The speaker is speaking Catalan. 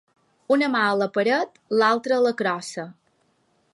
Una mà a la paret, l'altra a la crossa.